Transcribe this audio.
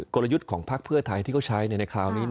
กลยุทธ์ของพักเพื่อไทยที่เขาใช้ในคราวนี้